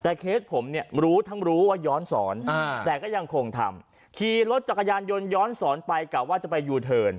แต่เคสผมเนี่ยรู้ทั้งรู้ว่าย้อนสอนแต่ก็ยังคงทำขี่รถจักรยานยนต์ย้อนสอนไปกะว่าจะไปยูเทิร์น